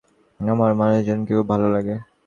আমার মানুষজনকে খুব ভালো লাগে।